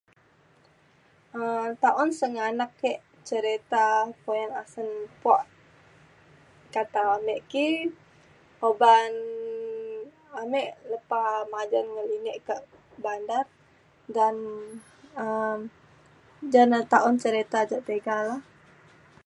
um taun sengganak ke cerita puyan asen po kata ame ki uban ame lepa majan ngelinek kak bandar dan um ja na taun cerita jak tiga lah